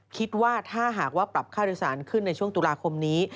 คิดว่าถ้าหากว่าปรับค่าโดยสารขึ้นในช่วงตุลาคมนี้